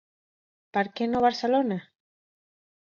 Per què no Barcelona?